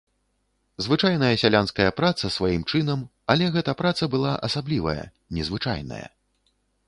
Звычайная сялянская праца сваім чынам, але гэта праца была асаблівая, незвычайная.